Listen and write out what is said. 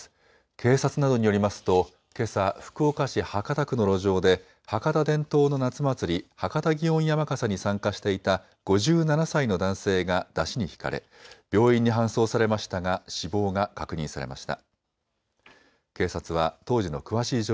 警察などによりますとけさ福岡市博多区の路上で博多伝統の夏祭り、博多祇園山笠に参加していた５７歳の男性が山車にひかれ病院に搬送されましたが死亡が確認されました。